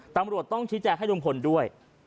ตำรวจต้องชี้แจงให้ลุงพลด้วย